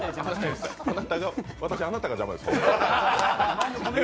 私、あなたが邪魔です。